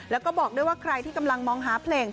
แล้วก็บอกด้วยว่าใครที่กำลังมองหาเพลง